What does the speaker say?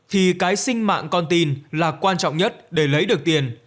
thì cái sinh mạng con tin là quan trọng nhất để lấy được tiền